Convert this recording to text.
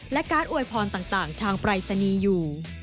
และการ์ดโวยพรต่างทางปลายศนียู